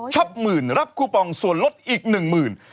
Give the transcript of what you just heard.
หมื่นรับคูปองส่วนลดอีกหนึ่งหมื่น